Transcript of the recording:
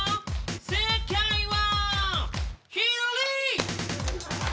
正解は左！